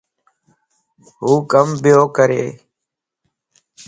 هو ڪم ٻيو ڪري